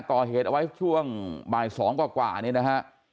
ก่อเหตุเอาไว้ช่วงบ่าย๒กว่านี้นะฮะ